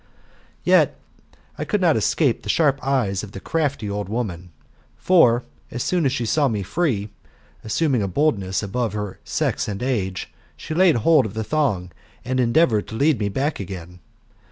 Yet I could not escape the sharp eyes of the crafty old woman ; for, as soon as she saw me free, assuming a boldness above her sex and age^ she laid hold of the thong, and endeavoured to lead me back again.